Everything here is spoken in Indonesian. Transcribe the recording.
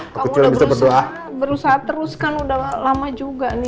kamu udah berusaha terus kan udah lama juga nih